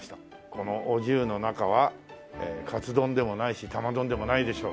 このお重の中はカツ丼でもないし玉丼でもないでしょう。